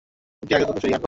ওকে আগের রূপে ফিরিয়ে আনবো।